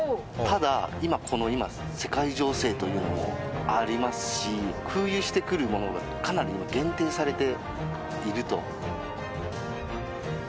ただ今この世界情勢というのもありますし空輸してくるものがかなり限定されていると。